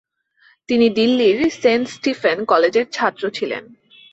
তিনি দিল্লির Saint Stephen কলেজের ছাত্র ছিলেন।